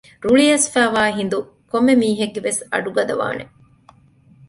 ރުޅިއައިސްފައިވާ ހިނދު ކޮންމެ މީހެއްގެވެސް އަޑު ގަދަވާނެ